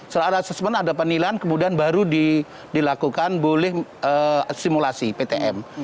setelah ada assessment ada penilaian kemudian baru dilakukan boleh simulasi ptm